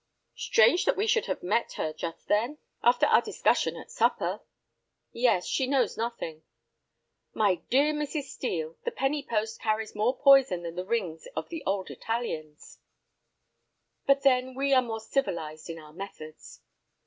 "Strange that we should have met her, just then!" "After our discussion at supper!" "Yes; she knows nothing." "My dear Mrs. Steel, the penny post carries more poison than the rings of the old Italians." "But then we are more civilized in our methods."